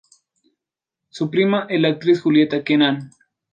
Su prima es la actriz Julieta Kenan.